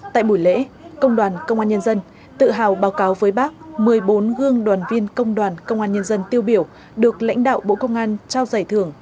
tại buổi lễ công đoàn công an nhân dân tự hào báo cáo với bác một mươi bốn gương đoàn viên công đoàn công an nhân dân tiêu biểu được lãnh đạo bộ công an trao giải thưởng